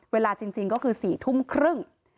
เวลาจริงก็คือ๔ทุ่มครึ่ง